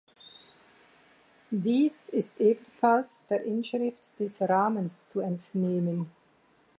Dies ist ebenfalls der Inschrift des Rahmens zu entnehmen.